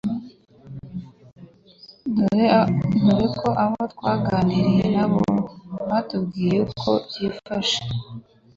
dore ko abo twaganiriye nabo batubwiye uko byifashe